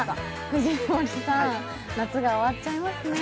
藤森さん、夏が終わっちゃいますね。